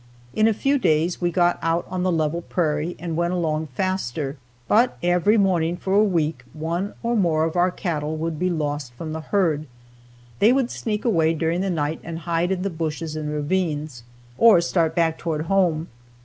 In a few days we got out on the level prairie and went along faster. But every morning for a week, one or more of our cattle would be lost from the herd. They would sneak away during the night and hide in the bushes and ravines, or start back toward home.